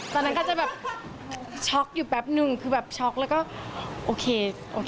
ตอนนั้นก็จะแบบช็อกอยู่แป๊บนึงคือแบบช็อกแล้วก็โอเคโอเค